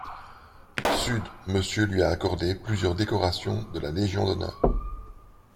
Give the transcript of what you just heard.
sud Monsieur lui a accordé plusieurs décorations de la légion d'honneur.